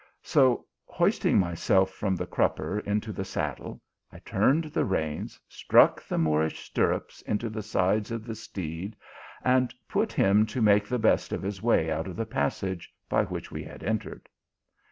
So hoisting myself from the crupper into the saddle, I turned the reins, struck the Moorish stirrups into the sides of the steed, and put him to make the best of his way out of the passage by which we had entered.